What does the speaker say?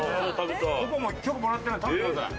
ここは許可もらってるので食べてください。